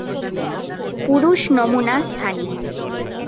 পুরুষ নমুনা স্থানিক।